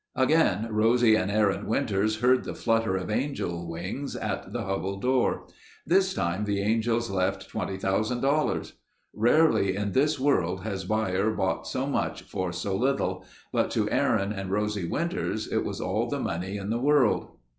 Again Rosie and Aaron Winters heard the flutter of angel wings at the hovel door. This time the angels left $20,000. Rarely in this world has buyer bought so much for so little, but to Aaron and Rosie Winters it was all the money in the world.